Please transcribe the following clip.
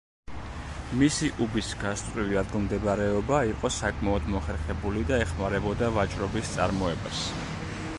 მისი უბის გასწვრივი ადგილმდებარეობა იყო საკმაოდ მოხერხებული და ეხმარებოდა ვაჭრობის წარმოებას.